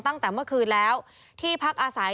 ตั้งแต่เมื่อคืนแล้วที่พักอาศัย